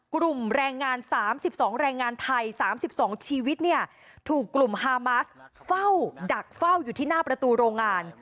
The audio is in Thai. กลุ่มแรงงานสามสิบสองแรงงานไทยสามสิบสองชีวิตเนี่ยถูกกลุ่มฮามัสเฝ้าดักเฝ้าอยู่ที่หน้าประตูโรงงาน